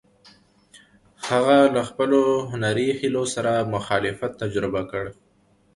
هغه له خپلو هنري هیلو سره مخالفت تجربه کړ.